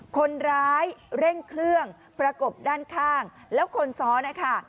คนร้ายเร่งเครื่องประกบด้านข้างแล้วคนซ้อนนะคะ